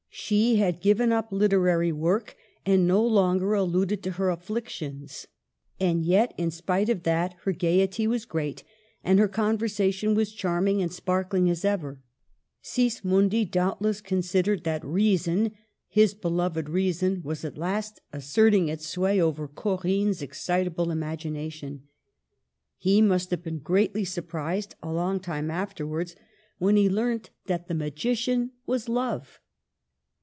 She had given up literary work, and no longer alluded to her afflic tions ; and yet, in spite of that, her gaiety was great and her conversation as charming and sparkling as ever. Sismondi doubtless consid ered that Reason— his beloved Reason was at last asserting its sway over " Corinne's " excita ble imagination. He must have been greatly surprised a long time afterwards when he learnt (162) Digitized by VjOOQIC SECOND MARRIAGE. 163 that the magician was Love.